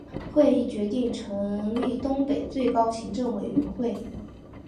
会议决定成立东北最高行政委员会。